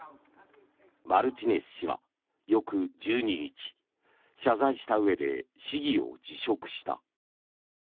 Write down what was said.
マルティネス氏は、翌１２日謝罪したうえで市議を辞職した。